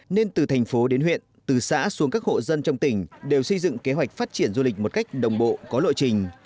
nên từ thành phố đến huyện từ xã xuống các hộ dân trong tỉnh đều xây dựng kế hoạch phát triển du lịch một cách đồng bộ có lộ trình